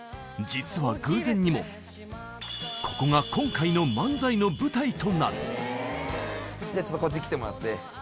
実は偶然にもここが今回のじゃあちょっとこっち来てもらって。